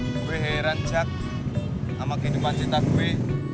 gue heran jak sama kehidupan cinta gue